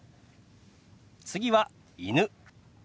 次は「犬」。